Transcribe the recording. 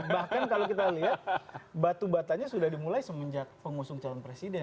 bahkan kalau kita lihat batu batanya sudah dimulai semenjak pengusung calon presiden